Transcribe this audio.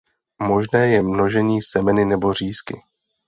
Možné je množení semeny nebo řízky.